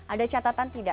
ada catatan tidak